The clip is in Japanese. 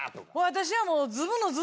私はもう。